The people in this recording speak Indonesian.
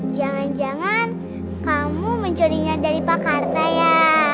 jangan jangan kamu mencurinya dari pak karta ya